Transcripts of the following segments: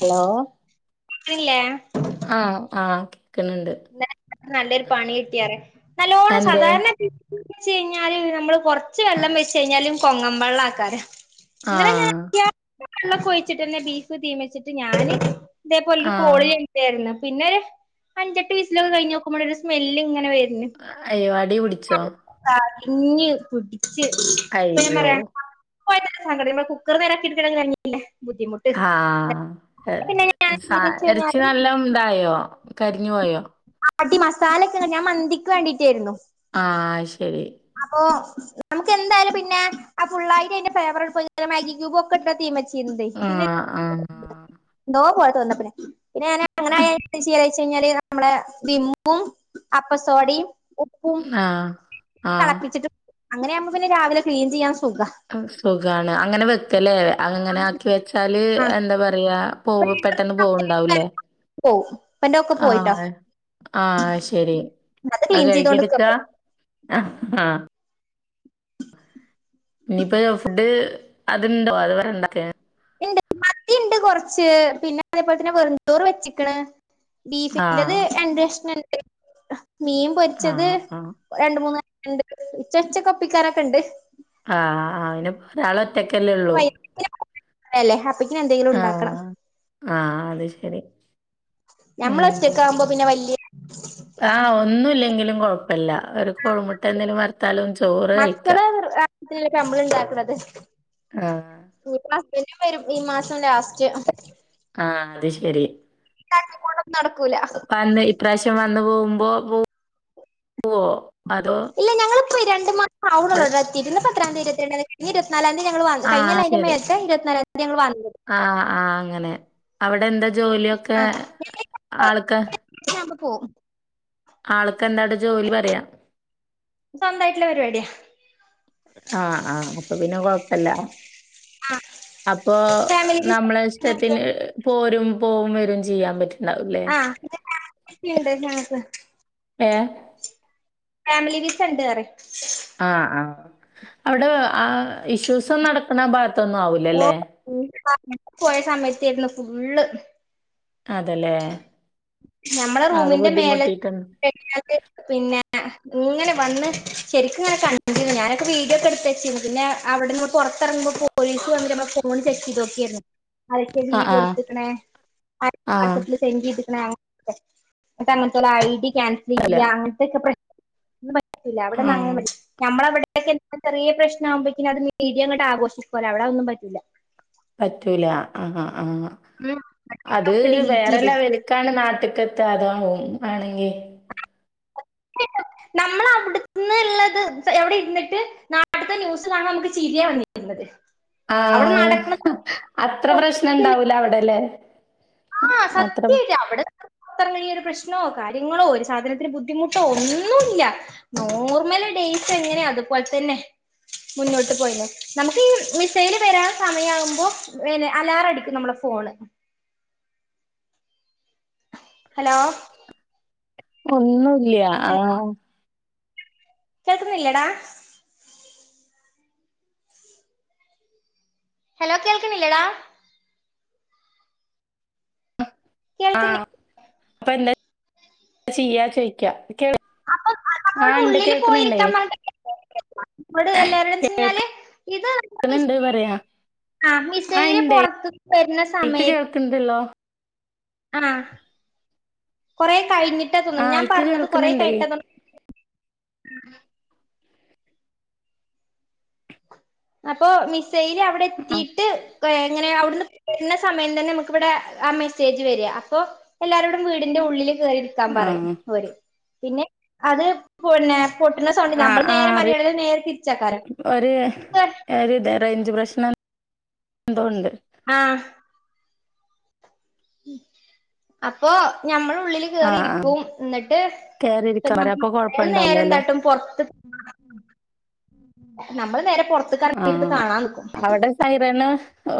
Hello തില്ലേ ആഹ് ആഹ് കേക്കുന്നുണ്ട് നല്ലൊരു പണി കിട്ടിയാറ നല്ലോണ്ണം അന്തേ സാധാരണ ച്ച് കഴിഞ്ഞാല് നമ്മള് കൊറച്ച് വെള്ളം വെച്ച് കഴിഞ്ഞാലും കൊങ്ങ വെള്ളം ആക്കാല ആഹ് ഇങ്ങളെങ്ങനെക്കിയ ഞാൻ വെള്ളൊക്ക ഒഴിച്ചിട്ട്ന്നെ ബീഫ് തീ വച്ചിട്ട് ഞാന് ഇതേപോലെ ഒരു ആഹ് [unintelligible] എഴുതിയാരുന്ന് പിന്നൊരു അഞ്ചെട്ടു വിസിലൊക്കെ കഴിഞ്ഞു നോക്കുമ്പോഴേ ഒരു സ്മെല്ല് ഇങ്ങനെ വരുന്നു അയ്യോ അടി പിടിച്ചോ കരിഞ്ഞു പിടിച്ച് ഇപ്പോ ഞാൻ അയ്യോ പറയാ [unintelligible] സങ്കടം ഇനി കുക്കർ നേരക്കി [unintelligible] ല്ല ബുദ്ധിമുട്ട് ആഹ് പിന്നെ ഞാൻ സാ എന്താ വെച്ച് ഇറച്ചി നല്ല കഴിഞ്ഞാല് ഉണ്ടായോ കരിഞ്ഞു പോയോ? അട്ടി മസാലൊക്കെ ഞാൻ മന്തിക്ക് വേണ്ടിട്ടായിരുന്നു ആഹ് അയ് ശരി അപ്പൊ ക്കെ എന്തായാലും പിന്നെ ആ ഫുള്ളായിട്ട് അന്റെ ഫേവറ പൊതിഞ് മാഗിക് [unintelligible] ഒക്കെ തീമച് ന്ത [unintelligible] ആഹ് ആഹ് പിന്നെന്തോ പോലത്ത് വന്ന പി പിന്നെ ഞ അങ്ങനെ [unintelligible] വച്ച് കഴിഞ്ഞാൽ നമ്മുടെ വിമ്മും അപ്പസോഡയും ഉപ്പും ആഹ്. ആഹ് തെളപ്പിച്ചിട്ട് അങ്ങനെയാവുമ്പ പിന്നെ രാവിലെ ക്ലീൻ ചെയ്യാ സുഖ. അ സുഖാണ് അങ്ങനെ വെക്കലേ അങ്ങനെ ആക്കി വെച്ചാല് ആ എന്ത പറയാ. പോവ പെട്ടെന്ന് പോവണ്ടാവുലേ. പോവും. ഇപ്പന്റെ ഒക്കെ പോയിട്ടോ ആഹ് ആഹ് ശരി അത് അഹ് ക്ലീൻ കഴികിടുക്ക. ചെയ്തോണ്ട്ക്ക അഹ് ആഹ്. ഇനിപ്പേ ഫുഡ് അത്ണ്ടോ അത് വണ്ടക്കെ. ണ്ട് മത്തിണ്ട് കൊർച്ച് പിന്നെ അതേപോൽ തന്നെ വെറുഞ്ചോറ് വെച്ചക്ക്ണ്. ബീഫിൻ്റെത് ആഹ് രണ്ട് കഷ്ണണ്ട് മീം പൊര്ച്ചത്. ആഹ് ആഹ് രണ്ട് മൂന്ന് [unintelligible] ണ്ട്ത് ച്ചച്ചൊക്കൊപ്പിക്കാറൊക്കെണ്ട്. ആഹ് ആയിനപ രാളൊറ്റക്കല്ലേ ള്ളൂ അല്ലേ അപ്പക്കിന് എന്തെങ്കിലും ഉണ്ടാക്കണം ആഹ്. ആഹ് അത് ശരി. ഉം നമ്മളൊറ്റക്കാവുമ്പോ പിന്നെ വല്ല്യ. ആഹ് ഒന്നുല്ലെങ്കിലും കൊഴപ്പല്ല ഒരു കൊഴിമുട്ടെ ന്തെലും വർത്താലും ചോറ് കഴിക്ക്യ. ത്തിലെപ്പ മ്മള് ണ്ടാക്ക്ണത്. ആഹ്. [unintelligible] ണ ഹസ്ബൻഡും വരും ഈ മാസം ലാസ്റ്റ്. ആഹ് അത് ശരി. തട്ടി കൂട്ടൊന്നു നട്ക്കൂല. അന്ന് ഇപ്രാശ്യം വന്ന് പോവുമ്പൊ വു വോ അതോ. ഇല്ല ഞങ്ങള്പ്പയ് രണ്ട് മാസം ആവ്ണൊള്ളവിടെത്തിറ്റ് ഇന്ന്പ്പ എത്രാം തീതി ഇരുപത്തിരണ്ടാന്തിക്കക്ക്. ഈ ഇരുപത്നാലാംന്തി ഞങ്ങള് വ ആഹ് കൈഞ്ഞല്ല അയ്ൻ്റെ ശരി മേൽത്തെ ഇരുപത്നാലാംന്ത്യ ങ്ങള് വന്നത്. ആഹ് ആഹ് അങ്ങനെ. അവിടെന്താ ജോല്യൊക്കെ ആൾക്ക്. ആവുമ്പ പോ ആൾക്കെന്താടെ ജോലി പറയാ. സ്വന്തയ്ട്ടുള്ള പരിപാട്യ. ആഹ് ആഹ് അപ്പൊ പിന്നെ കൊഴപ്പല്ല. ആഹ് അപ്പോ ഫാമിലി വിസ നമ്മളെ ഞങ്ങക്ക് ഇഷ്ടത്തിന് പോരും പോവും വരും ചെ ചെയ്യാ പറ്റ്ണ്ടാവുലേ ആഹ് ണ്ട് ഞങ്ങക്ക് ഏഹ്. ഫാമിലി വിസണ്ട് അറി. ആഹ് ആഹ് അവിടെ ആ ഇഷ്യൂസൊന്നു നടക്ക്ണ ഭാഗത്തൊന്നും ആവൂല ലേ. [unintelligible] പോയ സമയത്തേര്ന്നു ഫുള്ള്. അതല്ലേ. ഞമ്മളെ റൂമിന്റെ മേലെ [unintelligible] ഞാണ്ട്. പിന്നെ ഇങ്ങനെ വന്ന് ശരിക്കുങ്ങനെ കണ്ടിനു ഞാനൊക്കെ വീഡിയോക്കെട്ത്തച്ചിര്ന്നു പിന്നെ. അവിട്ന്ന് പൊറത്തിറങ്ങ്മ്പൊ പോലീസ് വന്ന് ഞമ്മളെ ഫോൺ ചെക്കയ്തോക്കിര്ന്നു. അരൊക്കെ ആഹ് ആഹ് വീഡിയോട്ത്ത്ക്ക്ണ് ആ ആഹ്. വാട്സപ്പില് സെൻഡെയ്ത് ണ് ന്നട്ടങ്ങൻത്തോല ഐ ഡി ക്യാൻസൽ അല്ല ചെയ്യ അങ്ങൻത്തെക്കെ പ്രശ് ഇല്ല അവിടെന്നു ആഹ് അങ്ങനെമ ഞമ്മളവടെ. ന്തെക്കെ ചെറീയ പ്രശ്നാവുമ്പഴ്ക്ക്നും അത്ഞ് മീഡിയങ്ങട്ട് ആഘോഷിക്കോലൊ അവിടെ അഒന്നും പറ്റൂല. പറ്റൂല അഹ ആഹ് അത് ഒക്കെ ഡിലീറ്റ് ചെയ്ത് വേറെലെവൽ. ക്കാണ് നാട്ട്ക്കത്ത അതാവും മാണെങ്കി. കിട്ടു നമ്മളവിട്ന്ന്ള്ളത് പ എവിടെ ഇര്ന്ന്ട്ട്. നാട്ട്ത്ത ന്യൂസ് കാണുമ്പമക്ക് ചിര്യ വന്നിര്ന്നത്. ആഹ് അത്ര പ്രശ്നണ്ടാവൂല അവിടെ ലേ ആഹ് സത്ത്യയ്റ്റ് അവടെ അത്ര വല്ല്യൊരു പ്രശ്നോ കാര്യങ്ങളോ ഒരു സാധനത്തിന് ബുദ്ധിമുട്ടോ ഒന്നുല്ല. നോർമല ഡേസ് എങ്ങനെയ അതുപോലെ തന്നെ മുന്നോട്ട് പോയിന്ന നമുക്ക് ഈ മിസൽ വരാൻ സമയ ആകുമ്പോ, അലാറ അടിക്കും നമ്മളെ ഫോണ്. ഹലോ ഒന്നൂല്യ. ആഹ കേൾക്കുന്നില്ലേടാ? ഹലോ കേൾക്കുന്നില്ലടാ ആഹ കേൾക്കുന്നില്ല ഇപ്പൊ എന്താ ചെയ്യാ ചോയ്ക്ക. അപ്പൊ ആഹ, നമ്മളോട് ഉണ്ട് കേൾക്കുന്നുണ്ട്. ട് എല്ലരുടച്ചഞ്ഞാല് കേൾക്ക്‌ന്ന്ണ്ട് ഇത് പറയാ ആ മിസൈല് പുറത്തു വരുന്ന സമയ ണ്ടല്ലോ? ആഹ്, കൊറേ കഴിഞ്ഞിട്ട് ആ തോന്നുന്നു, ഞാൻ ഇക്ക് പറഞ്ഞത് കൊറേ കേൾക്ക്‌ന്ന്ണ്ടേ കഴിഞ്ഞട്ട തോന്ന [inaudible] അപ്പൊ മിസൈയില് അവിടെ ആ എത്തിട്ട് എങ്ങനെ അവിടുന്ന് വരുന്ന സമയം തന്നെ നമുക്കിവിടെ ആ മെസ്സേജ് വരിക അപ്പൊ എല്ലാരോടും വീടിന്റെ ഉള്ളില് കേറി ഇടുക്കാൻ ആ പറയും ഓര് പിന്നെ അത് പിന്നെ പൊട്ടുന്ന സൗണ്ട് നമ്മള് നേരെ മലയാളികൾ നേരെ തിരിച്ചക്കാരം ഒര് ഇത റേഞ്ച് പ്രശ്നം എന്തോണ്ട്? ആഹ് അപ്പൊ നഞമ്മള് ഉള്ളില് ആ ആ ക്കേറിരിക്കും എന്നിട്ട് കേറിയിരിക്കാൻ പറയാ അപ്പൊ കൊഴപ്പണ്ടാവൂലല്ലേ നേരന്തട്ടും പുറത്ത് നമ്മള് നേരെ പൊറത്ത് ആഹ, അവിടെ ഹൈരന്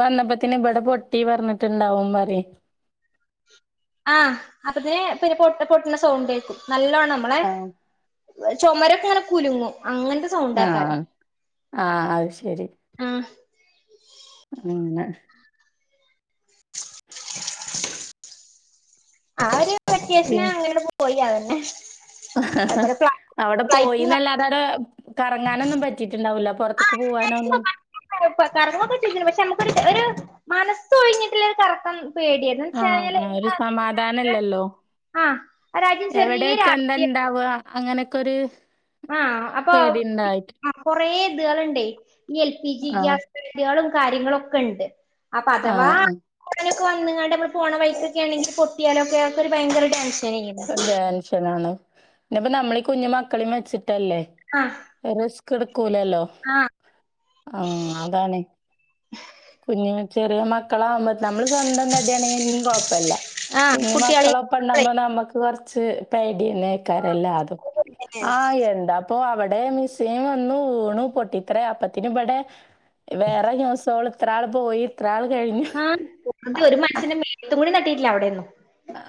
വന്നപ്പത്തിന് ഇവിടെ പൊട്ടി പറഞ്ഞിട്ടണ്ടാവും, മറി ആഹ് അപ്പതിനെ പിന്നെ പൊ പൊട്ടണ സൗണ്ടേക്കും നല്ലോണം നമ്മളെ ആ ചുമരൊക്കെ അങ്ങനെ കുലുങ്ങും അങ്ങനത്തെ സൗണ്ടാക്കാരം ആഹ ആഹ, അത് ശരി. ആഹ് ഉം നെ [inaudible] ആ ഒരു വെക്കേഷന് പിന്നെ അങ്ങന പോയിതന്നെ അവിടെ പോയിന്നല്ല അടെ കറങ്ങാനൊന്നും പറ്റിട്ടുണ്ടാവില്ല, പുറത്തേക്ക് പോവാനൊന്നും? കറങ്ങൊക്കെ ചെയ്‌ക്കണ് പക്ഷെ നമുക്ക ഒരു മനസ്സ് ഒഴിഞ്ഞിട്ടുള്ള ഒരു കറക്കം പേടിയിനി ആഹ, ആ ഒരു സമാധാനല്ലല്ലോ? ആഹ് ഒരാദ്യം എവിടെ വെച്ചെന്താ ചെറിയൊരാ ഇണ്ടാവ അങ്ങനെയൊക്കെ ഒരു ആഹ് അപ്പൊ പേടി ഉണ്ടായിട്ട് ആ, കൊറെ ഇതുകളുണ്ടേ ഈ എൽ പി ജി ആഹ്. ഗ്യാസ് ഇതകളും കാര്യങ്ങളൊക്കെണ്ട്. അപ്പൊ അഥവാ ആഹ് ആഹ്. അങ്ങനൊക്കെ വന്നങ്ങാണ്ട് നമ്മൾ പോണ വൈകൊലൊക്കെ പൊട്ടിയാലോക്കെ നമ്മക്ക് ബയങ്കര ടെൻഷനായിനി ടെൻഷനാണ് ഇന്നപ്പ നമ്മളീ കുഞ്ഞു മക്കളിം വെച്ചിട്ടല്ലേ? ആഹ് റിസ്ക് എടുക്കൂലല്ലോ ആഹ് ആ അതാണ് കുഞ്ഞു ചെറിയ മക്കളാവുമ്പ നമ്മള് സ്വന്തം തടിയാണെങ്കിൽ ഇനിയും കൊഴപ്പല്ല ആഹ് കുഞ്ഞു കുട്ടികളെ മക്കളൊപ്പം ഉണ്ടാവുമ്പോ നമുക്ക് കുറച്ച് പേടിയന്നേക്കാരം എല്ലതും ആ എന്താ അപ്പൊ അവിടെ മിസ്സൈൻ വന്നു വീണു പൊട്ടി ത്രെ അപ്പത്തിന് ഇവിടെ വേറെ ദിവസോള് എത്രാള് പോയിത്രാള് ആഹ ഒരു മനുഷ്യന്റെ മേത്തും കൂടി തട്ടീട്ടില്ല അവിടെന്നു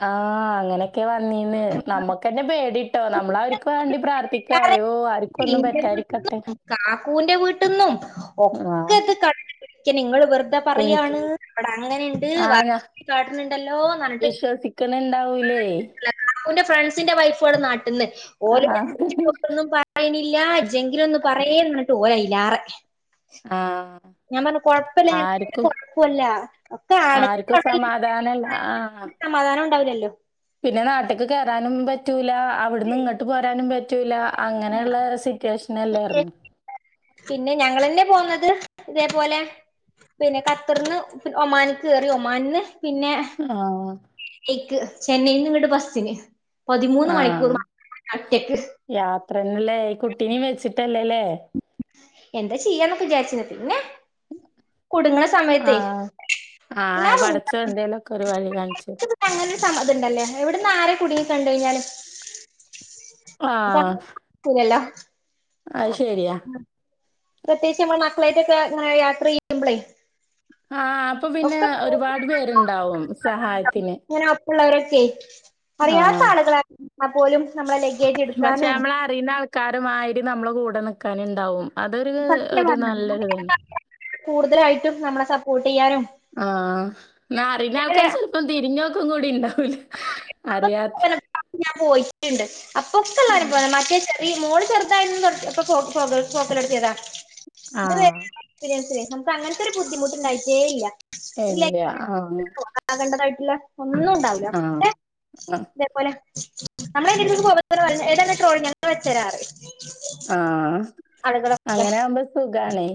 ആഹ അങ്ങനെ ക്കെ വന്നീന്നെ നമ്മുക്കന്നെ പേടിട്ടോ നമ്മൾ അവർക്ക് വേണ്ടി പ്രാർത്ഥിക്കായോ ആർ ക്കൊന്നും എന്റെ പറ്റായിരിക്കട്ടെ വീട്ടിന്നും കാക്കൂന്റെ വീട്ടിൽന്നും ആഹ് ഒക്കെ ഇത് കണ്ട് പിടിക്കൻ നിങ്ങൾ വെറത എന്താ പേടിക്ക് പറയാണ് ഇവിടെ അങ്ങനെയുണ്ട് ആഹ് ഞാ വർക്ക് കാട്ടുന്നുണ്ടല്ലോ ന്നർഞ്ഞിട്ട് ക്ക്‌ണ് ണ്ടാവൂ ലെ ല്ല കക്കൂന്റെ ഫ്രണ്ട്സിന്റെ വൈഫൾ നാട്ടിൽന്ന് ഓരോന്നു ആഹ് [unintelligible] അയ്നില്ല ജെങ്കിലും ഒന്ന് പറയി ന്ന് പറഞ്ഞിട്ട് ഓൽ അയിലാറെ ആഹ് ഞാൻ പറഞ്ഞ കൊഴപ്പില്ല ആർക്കും കൊഴപ്പല്ല ഒക്കെ ആ ആർക്കും സമാധാനല്ല ആഹ് സമാധാനം ഉണ്ടാവില്ലല്ലോ പിന്നെ നാട്ട്ക്ക് കയറാനും പറ്റൂല അവിടുന്ന് ഇങ്ങോട്ട് പോരാനും പറ്റൂല അങ്ങനെയുള്ള സി സിറ്റുവേഷൻ അല്ലെ പിന്നെ ഞങ്ങെന്നെ പോന്നത് ഇതേപോലെ പിന്നെ കത്തർന്ന് ഒമാനിക്ക് കേറി ഒമാനിന്ന് പിന്നെ ആഹ് ക്ക്‌ ചെന്നൈയിന്ന് ഇങ്ങട്ട് ബസ്സിന് പതിമൂന്ന് മണിക്കൂർ ആഹ്. മാത്രം ഒറ്റക്ക് യാത്രന്നല്ലേ കുട്ടിനിം വെച്ചിട്ടല്ലേ ലെ എന്താ ചെയ്യാന്നൊക്കെ വിചാരിച്ചിനി പിന്നെ കുടുങ്ങ്ണ ആഹ ആഹ പടച്ചോൻ എന്തേലൊക്കെ ഒരു വഴി കാണിച്ചു അങ്ങനൊരു സമ്മത ഇണ്ടല്ലേ എവിടന്ന് ആര് കുടുങ്ങി കണ്ട് കഴിഞ്ഞാലും ആഹ് [unintelligible] അത് ശരിയാ പ്രതേകിച്ച് നമ്മൾ മക്കളായിട്ടൊക്കെ യാത്ര ചെയ്യുമ്പളെ ആഹ് അപ്പൊ [unintelligible] പിന്നെ ഒരുപാട് പേരുണ്ടാവും സഹായത്തിന്. ഉള്ളവരൊക്കെ അറിയാത്ത ആഹ്. ആളുകളായാൽ പോലും നമ്മളെ ലഗേജ് എടുക്കാനും അറിയുന്ന ആൾക്കാരുമായി നമ്മളെ കൂടെ നിക്കാനുണ്ടാവും അതൊരു ഒരു സത്യമാണത് നല്ലരുതെന്നെ കൂടുതലായിട്ടും നമ്മളെ സപ്പോർട്ട് ചെയ്യാനും ആഹ ന്നാ അറിയുന്ന അങ്ങനെ ആൾക്കാര് ചെ ലപ്പം തിരിഞ്ഞോക്കും കൂടി ഉണ്ടാവൂല അറിയാത്ത ഞാൻ പോയിട്ടുണ്ട് അപ്പൊക്കെള്ള അനുഭവാ മറ്റെ ഈ മോൾ ചെറുതായന്ന് തൊടത്തി അപ്പൊ പോക്ക് പോകൽ തൊടത്തിയതാ ആഹ്. എക്സ്പീരിയൻസല്ലേ നമുക്ക് അങ്ങനത്തെ ഒരു ബുദ്ധിമുട്ട്ണ്ടായിട്ടേ ഇല്ല ഇല്ല. ആഹ്. ഒരു ആകേണ്ടതായിട്ടില്ല ഒന്നും ഉണ്ടാവില്ല ആഹ ആ പോലെ നമ്മളയിന്റട്ത്ത്ക്ക്‌ പോകുമ്പോ പറിം ഏതാണ് ട്രോളി ഞങ്ങൾ വെച്ചരാറിം ആഹ്. ആളുകളൊക്കെ അങ്ങനാവുമ്പോ സുഖാണേ.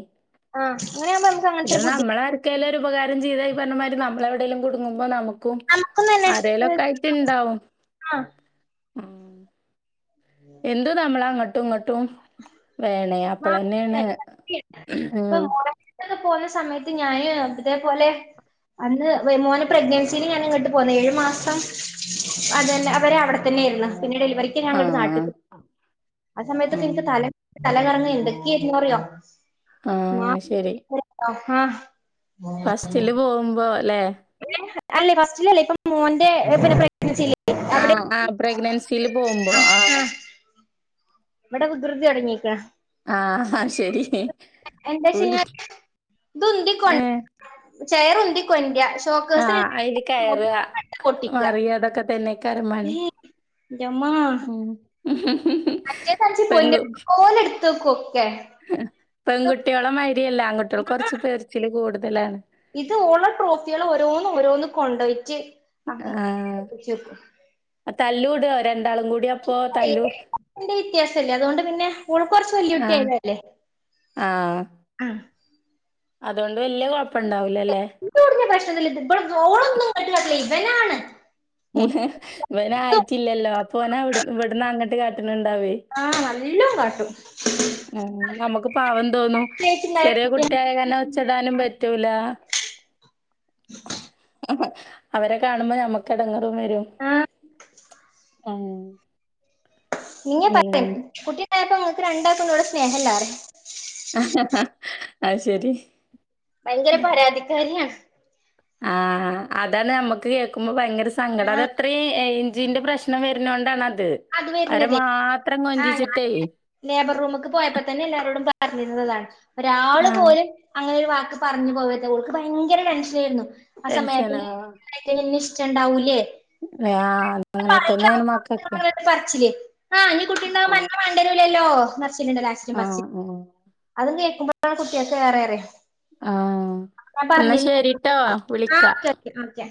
ആഹ അങ്ങനെയാകുമ്പോ അങ്ങനത്തെ പിന്നെ ഒരു ബുദ്ധി നമ്മൾ ആർക്കേലും ഒരു ഉപകാരം ചെയ്ത ഈ പറഞ്ഞ മാതിരി നമ്മൾ എവിടെയെലും കുടുങ്ങുമ്പോ നമു ക്കും നമുക്കും തന്നെ ആരെലോക്കെ ആയി ട്ട്ണ്ടാവും ആഹ് ആ എന്ത് നമ്മൾ അങ്ങട്ട് ട്ടും ഇങ്ങോട്ടും വേണേ അപ്പളെന്നെയാണ് ഉം പോവുന്ന സമയത്ത് ഞാനും ഇതേപോലെ അന്ന് മോന്റെ പ്രഗ്നൻസിൽ ഞാൻ ഇങ്ങോട്ട് പോന്ന ഏഴു മാസം അതന്നെ അവരെ അവിടെത്തന്നെയായിരുന്നു പിന്നെ ഡെലിവറിക്ക് ഞാങ്ങട്ട് നാട്ട്ക്. ആഹ്. ആസമയത്തൊക്കെ. ഉം. ല. തല കറങ്ങ എന്തക്കെര്ന്നറിയൊ ആ ആഹ് ശരി. ആഹാ ഫസ്റ്റില് പോവുമ്പോലേ. അല്ലെ ഫസ്റ്റിലല്ലേ. ഇപ്പം മോന്റെ പിന്നെ പ്ര ആ ആ പ്രഗ്നൻസിയില്. പോവുമ്പോ ആഹ് ആ ആഹ് ഇവിടെ വികൃതി തുടങ്ങിയിക്ക്‌ണ് ആഹ് ശരി. എന്ത വിളി ഷെയ്യാ ഇത് ഉന്തി കൊ ഏഹ് ചെയറുന്തി കൊണ്ട്രാ ആഹ് അയില് കെയ്റാ മറിയാ ഇതൊക്കെ തന്നേക്കാരം മ ഇന്റെമ്മാ ഹ്ഹ്ഹ്.. മറ്റേ സഞ്ചി പൊന്ന്പോലെ ഇട്ത്തക്കും ഒക്കേ ഏഹ് പെൺകുട്ട്യോളെ മാര്യല്ല ആൺകുട്ട്യോള് കൊറച്ച് പെര്ച്ചില് കൂടുതലാണ് ഇത് ഓളെ ട്രോഫ്യള് ഓരോന്ന് ഓരോന്ന് കൊണ്ടോയിറ്റ് ആഹ് ആഹ് തല്ലൂടോ രണ്ടാളും കൂ [unintelligible] വ്യത്യാസല്ലേ അതോണ്ട് പിന്നെ ഓള്കൊറച്ച് വെല്ല്യ കുട്ടി ആഹ് ആയതല്ലേ ആഹ് ആഹ് അതോണ്ട് വെല്ല്യ കൊഴപ്പണ്ടാവുല്ലല്ലേ [unintelligible] പ്രശ്നൊന്നുല്ല്യാ ഇത് ത് ഇബള് ദോളൊന്നും ഇങ്ങണ്ട് കാട്ടുലാ ഇവനാണ് മുടി ഇവനായിട്ടില്ലല്ലോ അപ്പൊ ഓനാവട് ഇവട്ന്നങ്ങട്ട് കാട്ട്ണ് ഇണ്ടാവേ ആഹ് നല്ലോം കാട്ടും ഏഹ് ഞമ്മക്ക് പാവം തോന്നും ചേച്ചിണ്ടായ ചെറിയെ കുട്ടിയ കുട്ടിയാകാരണം ച്ചടാനും പറ്റൂലാ അവരെ കാണുമ്പോ ഞമ്മ ക്കെടങ്ങേറും വരും ആഹ് ഉം [unintelligible] കുട്ടിണ്ടായപ്പോ ഇങ്ങക്ക് രണ്ടാക്കും ഇന്നോട് സ്നേഹല്ലാറിം അഹ് ശെരി ഭയങ്കര പരാതിക്കാരിയാ ആഹ് അതാണ് ഞമ്മക്ക് കേക്കുമ്പോ ഭയങ്കര സങ്കടാ അത് ആഹ് ഇത്രീം എയ്ഞ്ചിന്റെ പ്രശ്നം വര്നോണ്ടാണത്. അത് അവരെ വരുന്നതേ മാത്രം ആഹ് ഞാൻ കൊഞ്ചിച്ചിട്ടേ ലേബർ റൂമ്ക്ക് പോയപ്പതന്നെ എല്ലാരോടും പറഞ്ഞിര്ന്നതാണ് ഒരാള് ആഹ് പോലും അങ്ങനെയൊരു വാക്ക് പറഞ്ഞ് പോവര്ത് ഓൾക്ക് ഭയങ്കര ടെൻഷനേര്ന്നു. ആ ടെൻഷനാ സമയത്ത്ഞ്ഞ് [unintelligible] ഇന്നെ ഇഷ്ടണ്ടാവൂലേ ഏഹ് ആഹ് അങ്ങനെ തന്നേണ് മക്ക ഒര് പർച്ചില് ആ ഇഞ്ഞ് കുട്ടീണ്ടാവുമ്പം അന്നെ വാണ്ട്യിരുല്ലല്ലോ ന്നർച്ചില്ണ്ടല്ലോ അ ആഹ് ഉം ഉം അത് കേക്കുമ്പോത്തന്നെ കുട്ട്യേക്ക് ഏറേരെ ആഹ് ന്നാ ശരിട്ടോ വിളിക്കാ ഇന്നാ ഒക്കെ